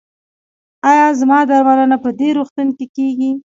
ایا زما درملنه په دې روغتون کې کیږي؟